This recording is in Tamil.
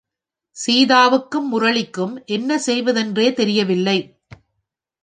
சீதாவுக்கும் முரளிக்கும் என்ன செய்வதென்றே தெரியவில்லை.